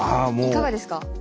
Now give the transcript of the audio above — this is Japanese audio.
いかがですか？